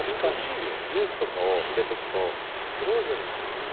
「ジュースとかを入れておくとフローズンになるんですよ」